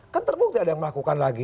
kan terbukti ada yang melakukan lagi